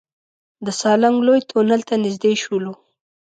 د سالنګ لوی تونل ته نزدې شولو.